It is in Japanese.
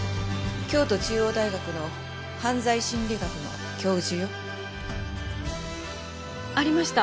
京都中央大学の犯罪心理学の教授よ。ありました。